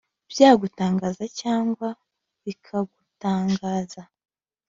byagutangaza cyangwa bikagutangaza